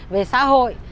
về xã hội